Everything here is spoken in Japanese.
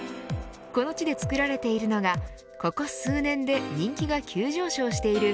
この地で作られているのがここ数年で人気が急上昇している。